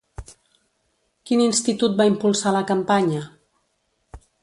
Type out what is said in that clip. Quin institut va impulsar la campanya?